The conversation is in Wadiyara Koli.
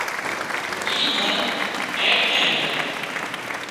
اي ڌن اين ڪنين هتون